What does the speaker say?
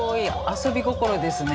遊び心ですね。